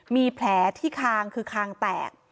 มีแผลที่คางคือคางแตก